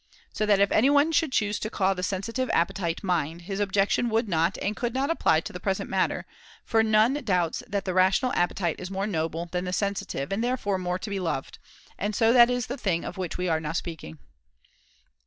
So that if anyone should choose to call the sensitive appetite mind, his objection would not and could not apply to the present matter ; for none doubts that the rational appetite is more noble than the sensitive and therefore more to be loved ; and so that is the thing of which we are now speaking.